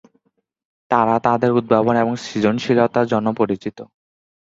তাঁরা তাঁদের উদ্ভাবন এবং সৃজনশীলতার জন্য পরিচিত।